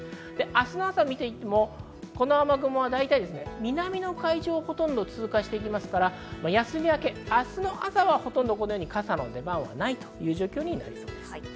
明日の朝を見ても、この雨雲は大体南の海上をほとんど通過していきますから、休み明け、明日の朝はほとんど傘の出番はないという状況になりそうです。